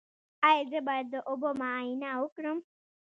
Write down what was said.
ایا زه باید د اوبو معاینه وکړم؟